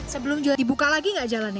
sebelum jalan dibuka lagi gak jalannya